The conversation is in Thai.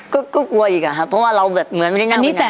ก็กลัวอีกอะครับเพราะว่าเราแบบเหมือนไม่ได้นั่งไปไหน